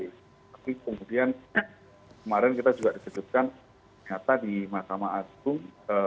tapi kemudian kemarin kita juga dikejutkan ternyata di mahkamah agung